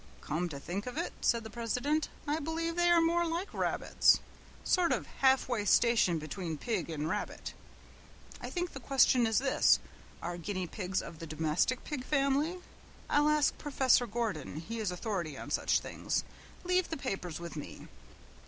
"Come to think of it," said the president, "I believe they are more like rabbits. Sort of half way station between pig and rabbit. I think the question is this are guinea pigs of the domestic pig family? I'll ask professor Gordon. He is authority on such things. Leave the papers with me."